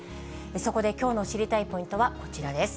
そこできょうの知りたいポイントはこちらです。